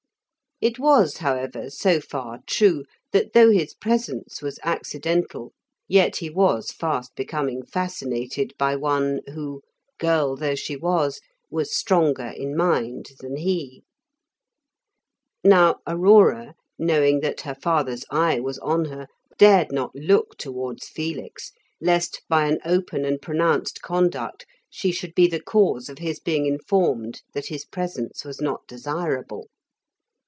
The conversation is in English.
It was, however, so far true, that though his presence was accidental, yet he was fast becoming fascinated by one who, girl though she was, was stronger in mind than he. Now Aurora, knowing that he father's eye was on her, dared not look towards Felix, lest by an open and pronounced conduct she should be the cause of his being informed that his presence was not desirable.